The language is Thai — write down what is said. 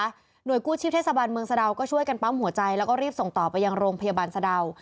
หน่วยกู้ชีพเทศบาลเมืองสะดาวก็ช่วยกันปั๊มหัวใจแล้วก็รีบส่งต่อไปยังโรงพยาบาลสะดาว